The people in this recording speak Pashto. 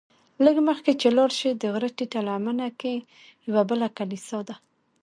لږ مخکې چې لاړ شې د غره ټیټه لمنه کې یوه بله کلیسا ده.